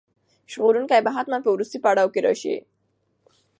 ژغورونکی به حتماً په وروستي پړاو کې راشي.